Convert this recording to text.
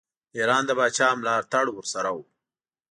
د ایران د پاچا ملاړ ورسره وو.